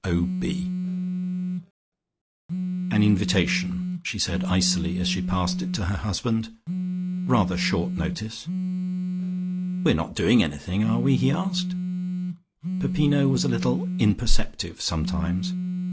"O.B." "An invitation," she said icily, as she passed it to her husband. "Rather short notice." "We're not doing anything, are we?" he asked. Peppino was a little imperceptive sometimes.